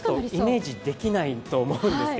イメージできないと思うんですよ。